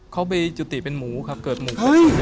เขาไปจุติเป็นหมูครับเกิดหมู